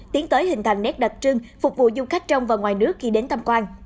tiến tới hình thành nét đặc trưng phục vụ du khách trong và ngoài nước khi đến thăm quan